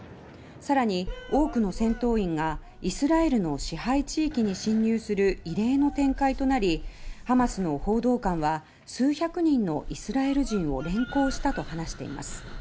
更に、多くの戦闘員がイスラエルの支配地域に侵入する異例の展開となりハマスの報道官は数百人のイスラエル人を連行したと話しています。